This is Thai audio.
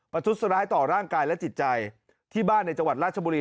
ทุษร้ายต่อร่างกายและจิตใจที่บ้านในจังหวัดราชบุรี